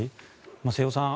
瀬尾さん